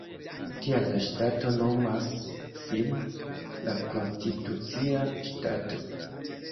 Tial la ŝtato nomas sin "La Konstitucia Ŝtato".